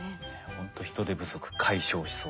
ほんと人手不足解消しそうです。